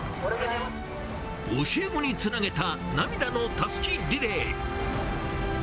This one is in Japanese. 教え子につなげた涙のたすきリレー。